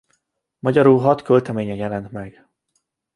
Magyarul hat költeménye jelent meg.